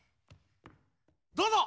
どうぞ！